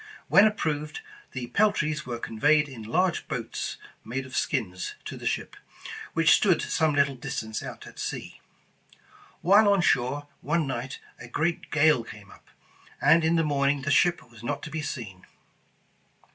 When ap proved, the peltries were conveyed in large boats made of skins to the ship, which stood some little distance out at sea. While on shore one night, a great gale came up, and in the morning the ship was not to be seen.